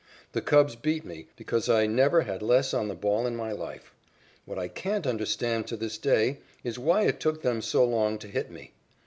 The Cubs beat me because I never had less on the ball in my life. What I can't understand to this day is why it took them so long to hit me.